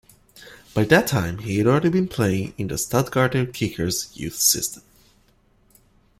By that time he had already been playing in the Stuttgarter Kickers youth system.